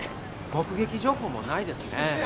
目撃情報もないですね